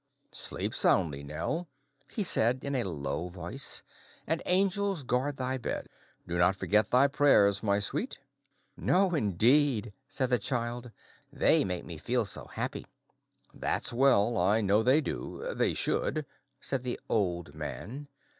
"Sleep soundly, Nell," he said in a low voice, "and angels guard thy bed! Do not forget thy prayers, my sweet." "No, indeed," said the child; "they make me feel so happy." "That's well; I know they do—they should," said the old man.